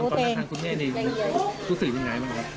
ตอนนั้นทางคุณแม่นี่รู้สึกยังไงบ้างครับ